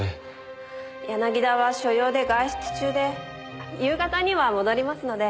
柳田は所用で外出中で夕方には戻りますので。